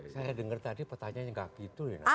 saya dengar tadi pertanyaannya tidak begitu ya